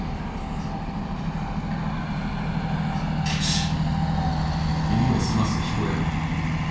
しっ！